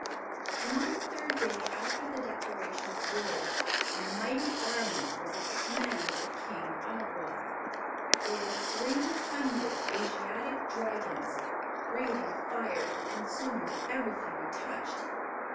And on the third day after the declaration of war a mighty army was at the command of the King Awgwa. There were three hundred Asiatic Dragons, breathing fire that consumed everything it touched.